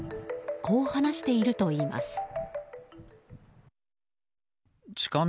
こう話しているといいます。